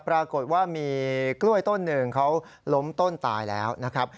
ปรากฏว่ามีกล้วยต้นหนึ่งเขาล้มต้นตายแล้วนะครับ